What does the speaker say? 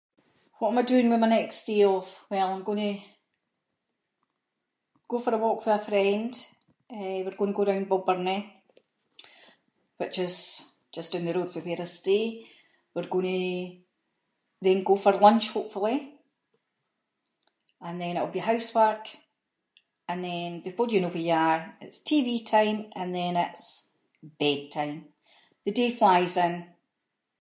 What am I doing with my next day off? Well I’m going to go for a walk with a friend, eh we’re going to go round Balbirnie, which is just doon the road from where I stay. We’re going to then go for lunch hopefully, and then it’ll be housework, and then before you know where you are it’s TV time, and then it’s bedtime. The day flies in.